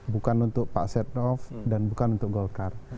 bukan untuk pak setnov dan bukan untuk golkar